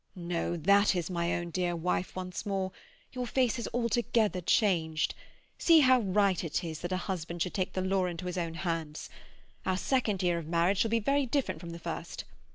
"No, that is my own dear wife once more! Your face has altogether changed. See how right it is that a husband should take the law into his own hands! Our second year of marriage shall be very different from the first.